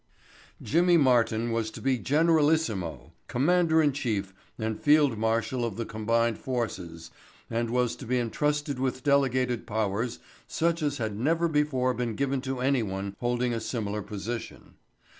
Jimmy Martin was to be generalissimo, commander in chief and field marshal of the combined forces and was to be entrusted with delegated powers such as had never before been given to anyone holding a similar position.